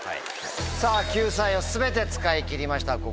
さぁ救済を全て使い切りました。